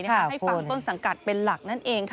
ให้ฟังต้นสังกัดเป็นหลักนั่นเองค่ะ